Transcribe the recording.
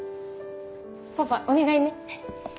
パパお願いね。